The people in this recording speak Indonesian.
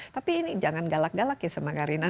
tapi ini jangan galak galak ya sama karina